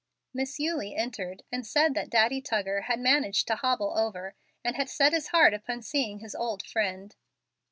Miss Eulie entered and said that Daddy Tuggar had managed to hobble over, and had set his heart upon seeing his old friend.